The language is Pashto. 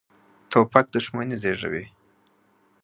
توپک دښمني زېږوي.